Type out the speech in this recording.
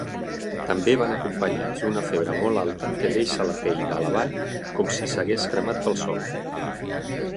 També van acompanyats d'una febre molt alta que deixa la pell de Lavan como si s'hagués cremat pel sol.